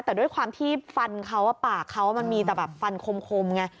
แต่ด้วยความที่ฟันเขาปากเขามันมีแต่แบบฟันคมไง